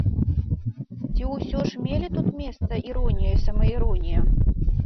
Ці ўсё ж мелі тут месца іронія і самаіронія?